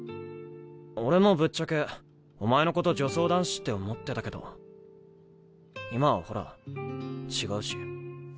俺もぶっちゃけお前のこと女装男子って思ってたけど今はほら違うし。